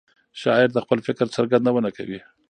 شاعر د خپل فکر څرګندونه کوي.